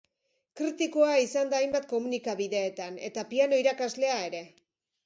Kritikoa izan da hainbat komunikabideetan eta piano irakaslea ere.